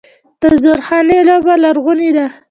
د زورخانې لوبه لرغونې ده.